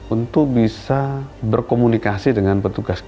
untuk bisa berkomunikasi dengan petugas